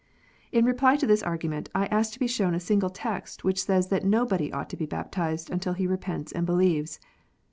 In reply to this argument, I ask to be shown a single text which says that nobody ought to be baptized until he repents and believes.